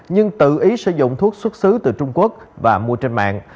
nhưng tự ý sử dụng thuốc xuất xứ từ trung quốc và mua trên mạng